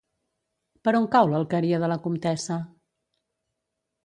Per on cau l'Alqueria de la Comtessa?